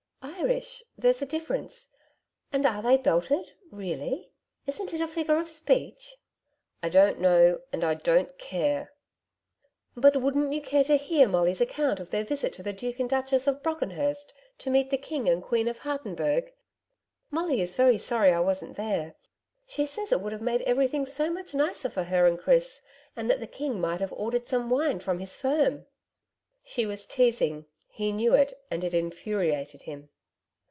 'Irish there's a difference. And are they belted really? Isn't it a figure of speech?' 'I don't know, and I don't care.' 'But wouldn't you care to hear Molly's account of their visit to the Duke and Duchess of Brockenhurst to meet the King and Queen of Hartenburg? Molly is very sorry I wasn't there. She says that it would have made everything so much nicer for her and Chris, and that the King might have ordered some wine from his firm.' She was teasing. He knew it, and it infuriated him.